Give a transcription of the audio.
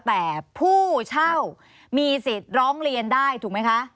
แต่ผู้เช่ามีสิทธิ์ร้องเรียนได้ถูกไหมคะ